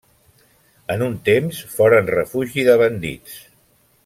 En un temps foren refugi de bandits.